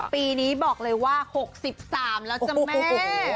ปีนี้บอกเลยว่า๖๓แล้วจ้ะแม่